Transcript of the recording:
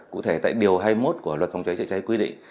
cụ thể tại điều hai mươi một của luật phòng cháy chữa cháy quy định